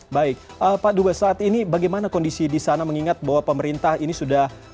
baik pak dubes saat ini bagaimana kondisi di sana mengingat bahwa pemerintah ini sudah